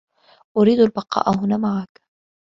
أريد البقاء هنا معك.